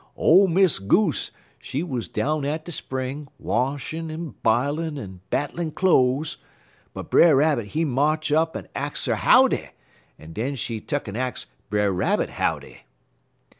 Ole Miss Goose she wuz down at de spring, washin', en b'ilin', en battlin' cloze; but Brer Rabbit he march up en ax her howdy, en den she tuck'n ax Brer Rabbit howdy.